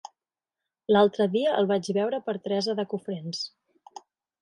L'altre dia el vaig veure per Teresa de Cofrents.